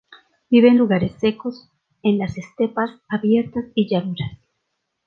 Vive en lugares secos, en las estepas abiertas y llanuras.